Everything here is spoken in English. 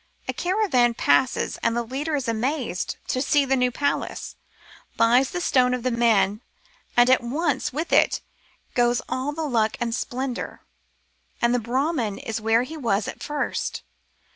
A caravan passes and the leader is amazed to see the new palace, buys the stone of the man, and at once with it goes all the luck and splendour, and the Brahmin is where he was at first.